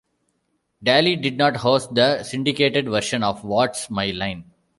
Daly did not host the syndicated version of What's My Line?